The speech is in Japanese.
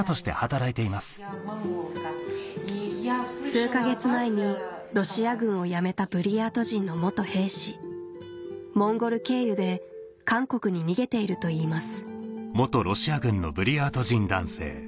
数か月前にロシア軍をやめたブリヤート人の兵士モンゴル経由で韓国に逃げているといいます